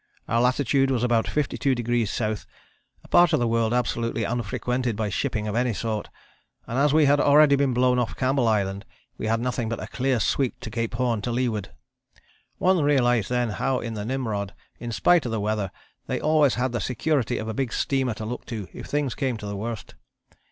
Our Lat. was about 52° S., a part of the world absolutely unfrequented by shipping of any sort, and as we had already been blown off Campbell Island we had nothing but a clear sweep to Cape Horn to leeward. One realized then how in the Nimrod in spite of the weather they always had the security of a big steamer to look to if things came to the worst.